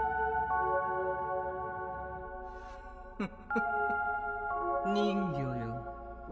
フフフ人魚よ